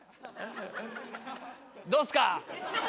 どうっすか？